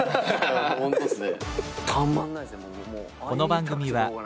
ホントっすね。